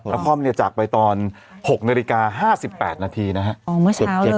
นครเนี่ยจากไปตอน๖นาฬิกา๕๘นาทีนะฮะเมื่อเช้าเลย